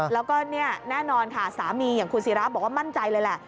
แล้วก็เนี่ยแน่นอนค่ะสามีอย่างคุณศิราบอกว่ามั่นใจเลยแหละ